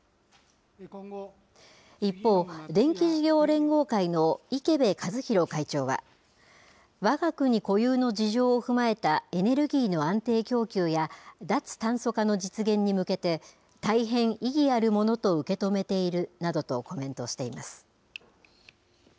一方、電気事業連合会の池辺和弘会長は、わが国固有の事情を踏まえたエネルギーの安定供給や、脱炭素化の実現に向けて、大変意義あるものと受け止めているなどとコメントしています。